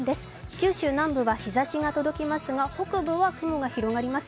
九州南部は日ざしが届きますが、北部は雲が広がります。